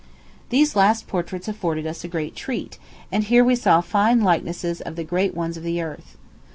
These last portraits afforded us a great treat; and here we saw fine likenesses of the great ones of the earth.